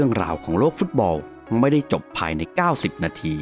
สวัสดีครับ